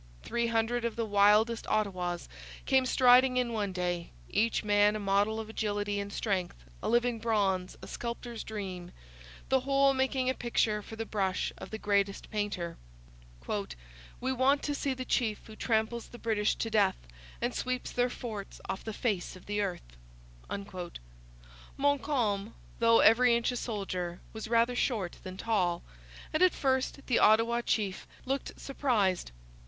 Three hundred of the wildest Ottawas came striding in one day, each man a model of agility and strength, a living bronze, a sculptor's dream, the whole making a picture for the brush of the greatest painter. 'We want to see the chief who tramples the British to death and sweeps their forts off the face of the earth.' Montcalm, though every inch a soldier, was rather short than tall; and at first the Ottawa chief looked surprised.